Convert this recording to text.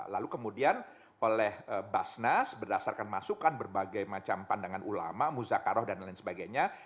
lalu kemudian oleh basnas berdasarkan masukan berbagai macam pandangan ulama muzakaroh dan lain sebagainya